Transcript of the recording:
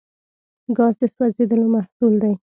ګاز د سوځیدلو محصول دی.